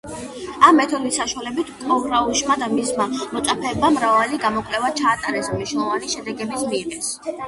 ამ მეთოდის საშუალებით კოლრაუშმა და მისმა მოწაფეებმა მრავალი გამოკვლევა ჩაატარეს და მნიშვნელოვანი შედეგებიც მიიღეს.